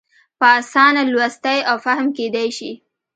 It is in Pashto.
په اسانه لوستی او فهم کېدای شي.